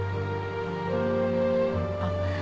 あっ